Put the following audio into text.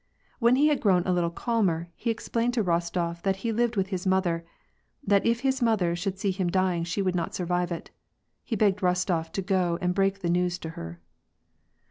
When he had grown a little calmer, he explained to Bostof that he lived with his mother, that if his mother should see him dying she would not survive it. He begged Rostof to go and break the news to her.